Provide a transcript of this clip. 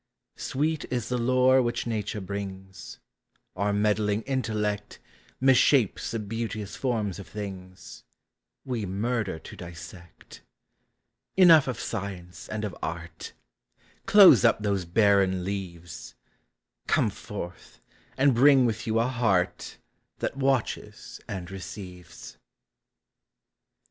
Sweet is the lore which nature brings; Our meddling intellect Misshapes the beauteous forms of things — We murder to dissect. Enough of science and of art; Close up those barren leaves; Come forth, and bring with you a heart That watches and receives.